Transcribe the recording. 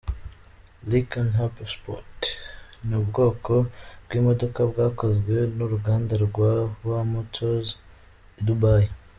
Lykan Hypersport ni ubwoko bw’imodoka bwakozwe n’uruganda rwa W Motors, i Dubai.